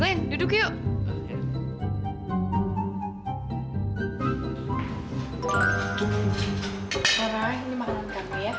glenn duduk yuk